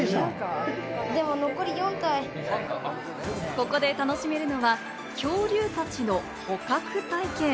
ここで楽しめるのは恐竜たちの捕獲体験。